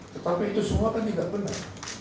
tetapi itu semua kan tidak benar